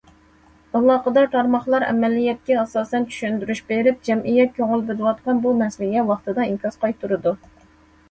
ئالاقىدار تارماقلار ئەمەلىيەتكە ئاساسەن چۈشەندۈرۈش بېرىپ، جەمئىيەت كۆڭۈل بۆلۈۋاتقان بۇ مەسىلىگە ۋاقتىدا ئىنكاس قايتۇرىدۇ.